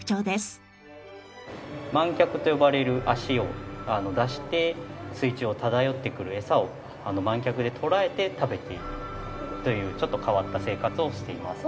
蔓脚と呼ばれる脚を出して水中を漂ってくるエサを蔓脚で捕らえて食べているというちょっと変わった生活をしています。